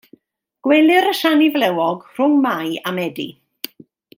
Gwelir y siani flewog rhwng Mai a Medi.